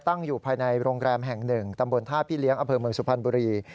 ตั้งอยู่ภายในโรงแรมแห่ง๑ตำบลท่าพี่เลี้ยงอำเภอเมืองสุพรรณบุรี